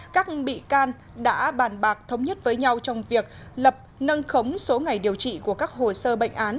các bị can đã bàn bạc thống nhất với nhau trong việc lập nâng khống số ngày điều trị của các hồ sơ bệnh án